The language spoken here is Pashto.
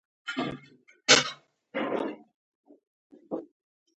سپوږمۍ د روڼوالي او تاریکۍ تر منځ تعادل جوړوي